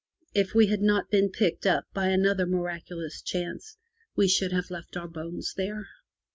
If we had not been picked up by another miraculous chance we should have left our bones there.